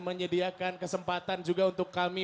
menyediakan kesempatan juga untuk kami